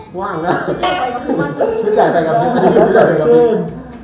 เฮ้ว่างแล้ว